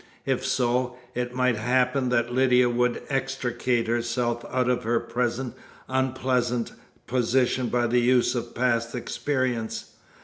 If so, it might happen that Lydia would extricate herself out of her present unpleasant position by the use of past experience.